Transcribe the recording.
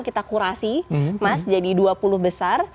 kita kurasi mas jadi dua puluh besar